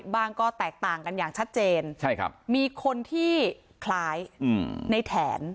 บ้างก็แตกต่างกันอย่างชัดเจนใช่ครับมีคนที่คล้ายอืมในแถน